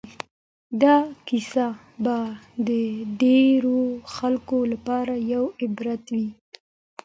دا کیسه به د ډېرو خلکو لپاره یو عبرت وي.